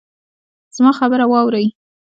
زما خبره واورئ